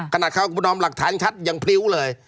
ขนาดเขาประนอมหลักฐานชัดยังพริ้วเลย